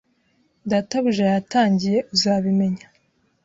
Databuja yatangiye uzabimenya